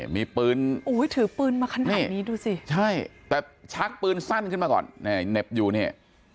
มีปืนถือปืนมาขนาดนี้ดูสิใช่แต่ชักปืนสั้นขึ้นมาก่อนเหน็บอยู่นี่